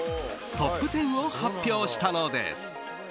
トップ１０を発表したのです。